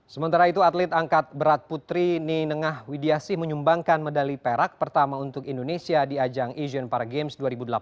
sementara itu atlet angkat berat putri nenengah widiasi menyumbangkan medali perak pertama untuk indonesia di ajang asian para games dua ribu delapan belas